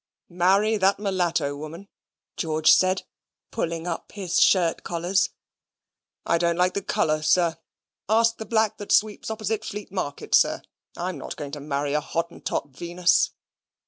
"Marry that mulatto woman?" George said, pulling up his shirt collars. "I don't like the colour, sir. Ask the black that sweeps opposite Fleet Market, sir. I'm not going to marry a Hottentot Venus."